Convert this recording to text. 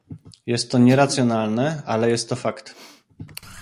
Jest to nieracjonalne, ale jest to fakt